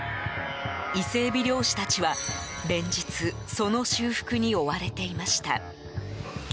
イセエビ漁師たちは、連日その修復に追われていました。